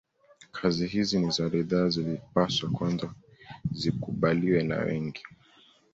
Kazi hizi ni za ridhaa zilipaswa kwanza zikubaliwe na wengi